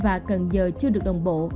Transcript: và cần giờ chưa được đồng bộ